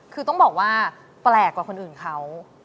คือต้องบอกว่าแปลกกว่าคนอื่นเขา